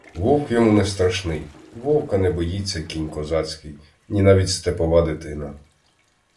Вовк йому не страшний; вовка не боїться кінь козацький, ні навіть степова дитина.